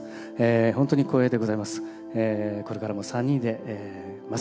本当に光栄でございます。